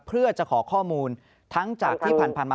เพื่อจะขอข้อมูลทั้งจากที่ผ่านมา